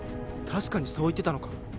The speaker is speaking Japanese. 確かにそう言ってたのか？